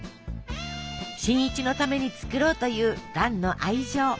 新一のために作ろうという蘭の愛情。